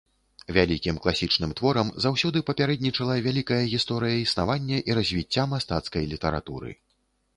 Вялікім класічным творам заўсёды папярэднічала вялікая гісторыя існавання і развіцця мастацкай літаратуры.